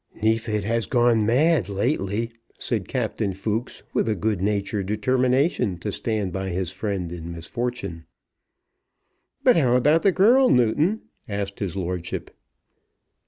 "Neefit has gone mad lately," said Captain Fooks, with a good natured determination to stand by his friend in misfortune. "But how about the girl, Newton?" asked his lordship.